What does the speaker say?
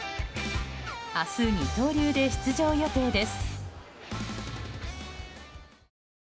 明日、二刀流で出場予定です。